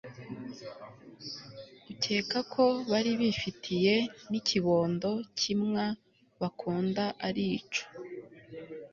Ukekako bari bifitiye nikibondo kimwa bakunda arico